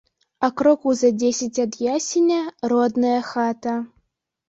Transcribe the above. А крокаў за дзесяць ад ясеня родная хата.